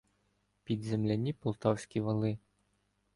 Під земляні полтавські вали